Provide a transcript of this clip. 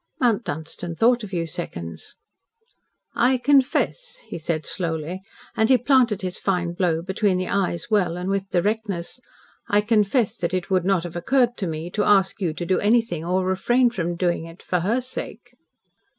Mount Dunstan thought a few seconds. "I confess," he said slowly, and he planted his fine blow between the eyes well and with directness. "I confess that it would not have occurred to me to ask you to do anything or refrain from doing it for her sake."